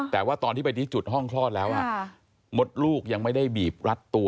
แต่ว่าตอนที่ไปที่จุดห้องคลอดแล้วมดลูกยังไม่ได้บีบรัดตัว